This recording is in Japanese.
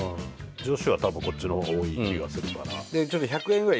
女子は多分こっちの方が多い気がするかな。